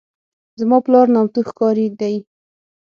زما پلار نامتو ښکاري دی.